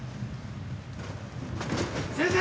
先生！